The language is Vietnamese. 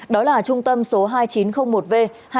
đó là trung tâm số hai nghìn chín trăm linh một v